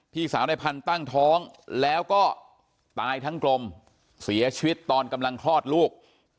พี่สาวในพันธุ์ตั้งท้องแล้วก็ตายทั้งกลมเสียชีวิตตอนกำลังคลอดลูก